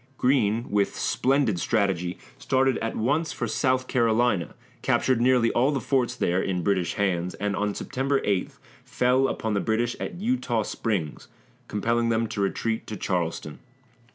Greene, with splendid strategy, started at once for South Carolina, captured nearly all the forts there in British hands, and on September 8 fell upon the British at Eutaw Springs, compelling them to retreat to Charleston.